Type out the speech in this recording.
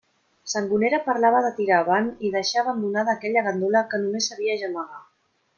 Sangonera parlava de tirar avant i deixar abandonada a aquella gandula que només sabia gemegar.